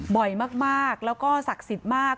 บ่อยมากแล้วก็ศักดิ์สิทธิ์มาก